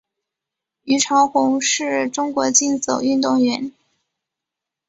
虞朝鸿是中国竞走运动员。